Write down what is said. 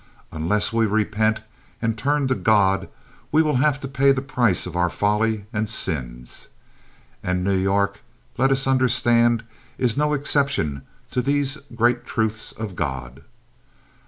Unless we repent and turn to God, we will have to pay the price of our folly and sins. And New York, let us understand, is no exception to these great truths of God.